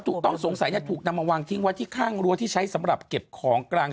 ต้องสงสัยถูกนำมาวางทิ้งไว้ที่ข้างรั้วที่ใช้สำหรับเก็บของกลาง